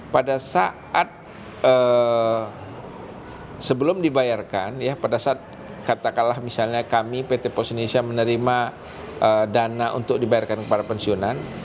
pada saat sebelum dibayarkan ya pada saat katakanlah misalnya kami pt pos indonesia menerima dana untuk dibayarkan kepada pensiunan